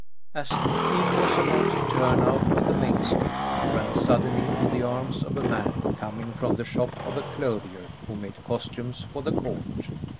As the king was about to turn out of the main street he ran suddenly into the arms of a man coming from the shop of a clothier who made costumes for the court.